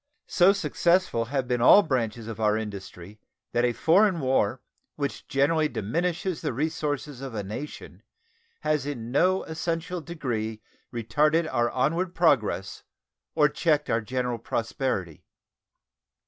So successful have been all branches of our industry that a foreign war, which generally diminishes the resources of a nation, has in no essential degree retarded our onward progress or checked our general prosperity.